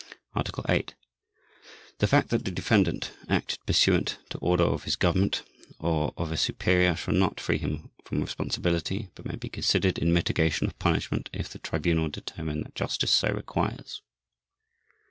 Article 8. The fact that the defendant acted pursuant to order of his Government or of a superior shall not free him from responsibility, but may be considered in mitigation of punishment if the Tribunal determine that justice so requires.